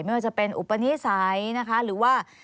ไม่ว่าจะเป็นอุปนิสัยนะคะหรือว่า